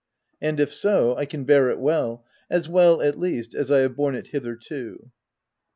And, if so, I can bear it well — as well, at least, as I have borne it hitherto.